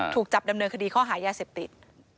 ถูกจับดำเนินคดีข้อหายาเสพติด